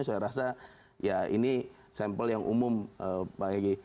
saya rasa ya ini sampel yang umum pak egy